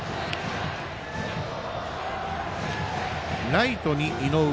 ライトに井上。